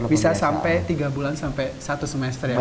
bisa sampai tiga bulan sampai satu semester ya